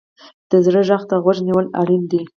د زړه غږ ته غوږ نیول اړین دي.